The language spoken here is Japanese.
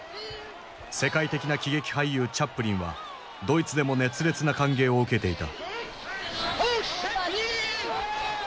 世界的な喜劇俳優チャップリンはドイツでも熱烈な歓迎を受けていた。